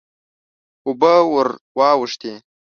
اوبه ور واوښتې.